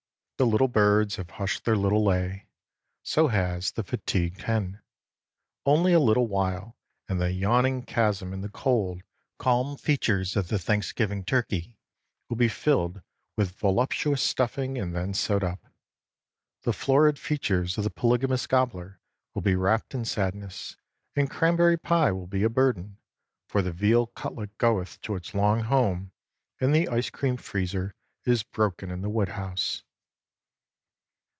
The little birds have hushed their little lay. So has the fatigued hen. Only a little while, and the yawning chasm in the cold, calm features of the Thanksgiving turkey will be filled with voluptuous stuffing and then sewed up. The florid features of the polygamous gobbler will be wrapped in sadness, and cranberry pie will be a burden, for the veal cutlet goeth to its long home, and the ice cream freezer is broken in the woodhouse.